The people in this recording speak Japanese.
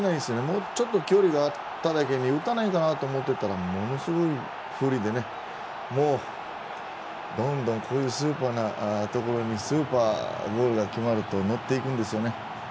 もうちょっと距離があっただけに打たないかなと思っていたらものすごいフリーでねどんどんこういうスーパーなところにスーパーゴールが決まると思っていくんですよね。